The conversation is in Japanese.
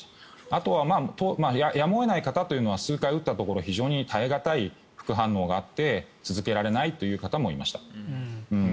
あとはやむを得ない方というのは数回打ったところ非常に耐え難い副反応があって続けられないという方もいました。